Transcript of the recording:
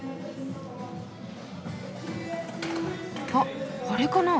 あっこれかな？